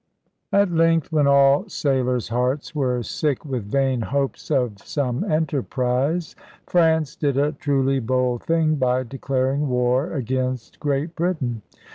At length, when all sailors' hearts were sick with vain hopes of some enterprise, France did a truly bold thing by declaring war against Great Britain.